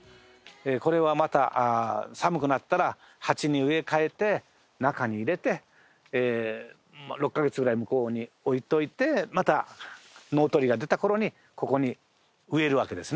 これはまた寒くなったら鉢に植え替えて中に入れて６カ月ぐらい向こうに置いておいてまた農鳥が出た頃にここに植えるわけですね。